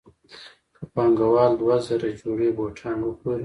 که پانګوال دوه زره جوړې بوټان وپلوري